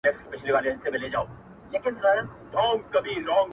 پاچا سر سلامت د یوه سوال که اجازت وي،